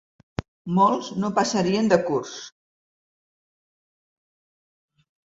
Molts no passarien de curs